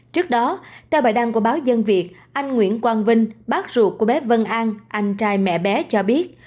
trước đó theo bài đăng của báo dân việt anh nguyễn quang vinh bác ruột của bé vân an anh trai mẹ bé cho biết